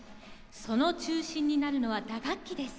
その中心になるのは打楽器です。